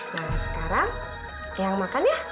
nah sekarang yang makan ya